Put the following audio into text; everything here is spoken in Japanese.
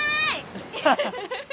アハハハ。